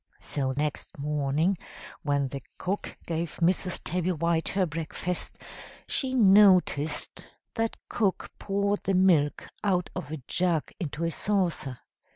"So next morning when the cook gave Mrs. Tabby White her breakfast, she noticed that cook poured the milk out of a jug into a saucer.